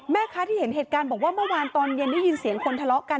แม่ค้าที่เห็นเหตุการณ์บอกว่าเมื่อวานตอนเย็นได้ยินเสียงคนทะเลาะกัน